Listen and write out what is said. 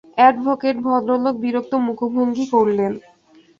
Advocate ভদ্রলোক বিরক্ত মুখভঙ্গি করলেন।